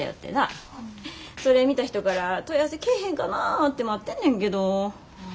それ見た人から問い合わせ来えへんかなて待ってんねんけど。